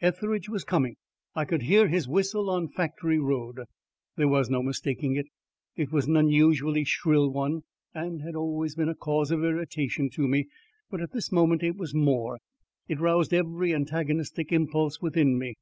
Etheridge was coming. I could hear his whistle on Factory Road. There was no mistaking it. It was an unusually shrill one and had always been a cause of irritation to me, but at this moment it was more; it roused every antagonistic impulse within me.